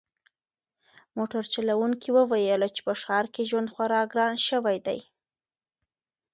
موټر چلونکي وویل چې په ښار کې ژوند خورا ګران شوی دی.